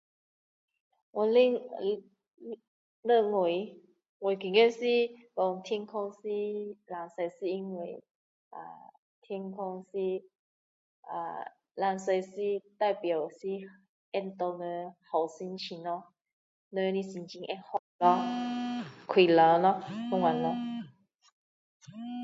我认为觉得是天空蓝色是因为啊蓝色是代表会给人好心情咯人的心情会快乐咯